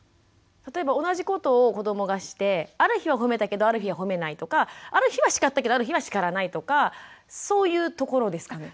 例えば同じことを子どもがしてある日は褒めたけどある日は褒めないとかある日はしかったけどある日はしからないとかそういうところですかね？